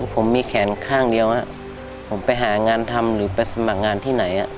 ผมมีแขนข้างเดียวผมไปหางานทำหรือไปสมัครงานที่ไหน